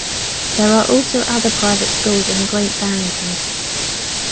There are also other private schools in Great Barrington.